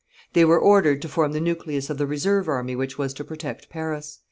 They were ordered to form the nucleus of the reserve army which was to protect Paris.